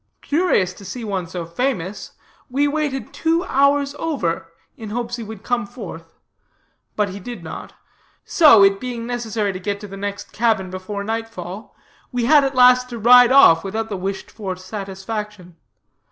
Curious to see one so famous, we waited two hours over, in hopes he would come forth; but he did not. So, it being necessary to get to the next cabin before nightfall, we had at last to ride off without the wished for satisfaction.